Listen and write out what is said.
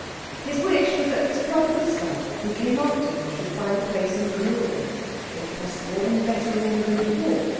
His wish was that his brother Gustav who came after him should find the place in good order; if possible in better order than before.